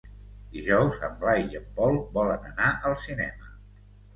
Dijous en Blai i en Pol volen anar al cinema.